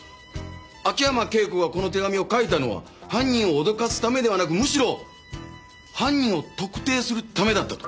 秋山圭子がこの手紙を書いたのは犯人を脅かすためではなくむしろ犯人を特定するためだったと。